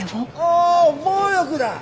あ暴力だ。